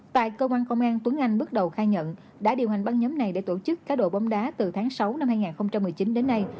tại công an công an tướng anh bước đầu khai nhận đã điều hành băng nhóm này để tổ chức cá đồ bóng đá từ tháng sáu năm hai nghìn một mươi chín đến nay